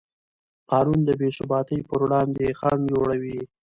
قانون د بېثباتۍ پر وړاندې خنډ جوړوي.